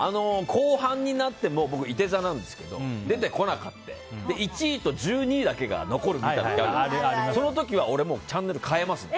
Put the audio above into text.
後半になっても僕、いて座なんですけど出てこなくて１位と１２位だけが残るみたいな時あるじゃないですか。